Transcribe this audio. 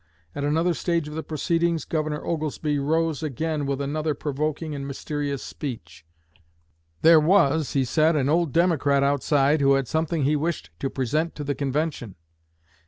At another stage of the proceedings, Governor Oglesby rose again with another provoking and mysterious speech. 'There was,' he said, 'an old Democrat outside who had something he wished to present to the convention.'